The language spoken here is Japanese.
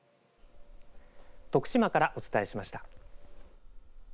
徳島からお伝えしました。